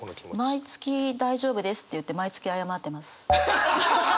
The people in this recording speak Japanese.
毎月「大丈夫です」って言って毎月謝ってます。